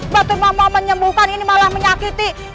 batu mama menyembuhkan ini malah menyakiti